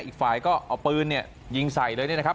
อีกฝ่ายก็เอาปืนเนี่ยยิงใส่เลยเนี่ยนะครับ